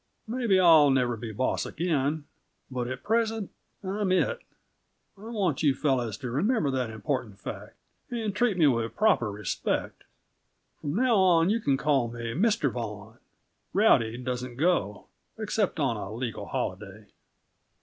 Maybe I'll never be boss again but at present I'm it. I want you fellows to remember that important fact, and treat me with proper respect. From now on you can call me Mr. Vaughan; 'Rowdy' doesn't go, except on a legal holiday.